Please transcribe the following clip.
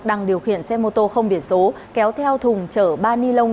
đang điều khiển xe mô tô không biển số kéo theo thùng chở ba ni lông